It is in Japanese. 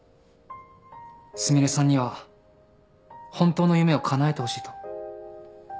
すみれさんには本当の夢をかなえてほしいと。